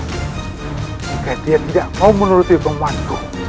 jika dia tidak mau menuruti penguasa